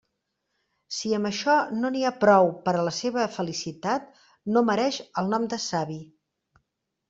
Si amb això no n'hi ha prou per a la seua felicitat, no mereix el nom de savi.